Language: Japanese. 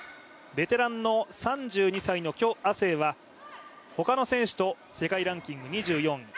ベテランの３２歳の許雅晴は、他の選手と世界ランキング２４位。